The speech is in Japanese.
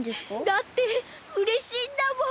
だってうれしいんだもん。